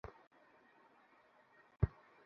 বাক ওয়াইল্ডকে ধরো!